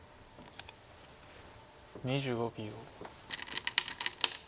２５秒。